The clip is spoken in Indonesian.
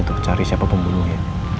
untuk cari siapa pembunuhnya